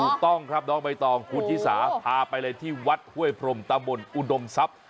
ถูกต้องครับน้องใบตองคุณชิสาพาไปเลยที่วัดห้วยพรมตำบลอุดมทรัพย์